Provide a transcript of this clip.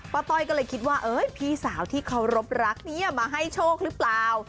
ต้อยก็เลยคิดว่าพี่สาวที่เคารพรักนี้มาให้โชคหรือเปล่า